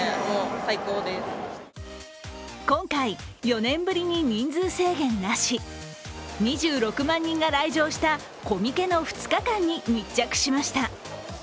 今回、４年ぶりに人数制限なし、２６万人が来場したコミケの２日間に密着しました。